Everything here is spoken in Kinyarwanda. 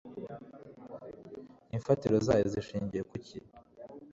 imfatiro zayo zishingiye kuki